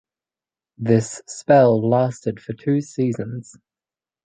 This spell lasted for two seasons.